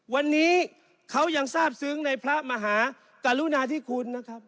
วันนี้เขายังทราบซึ้งในพระมหากรุณาธิคุณนะครับ